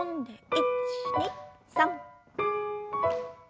１２３。